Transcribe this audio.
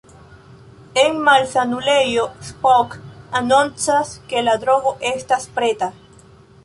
En malsanulejo, Spock anoncas, ke la drogo estas preta.